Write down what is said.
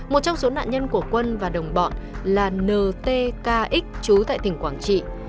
một trong số nạn nhân của quân và đồng bọn là ntkx chú tại tỉnh quảng trị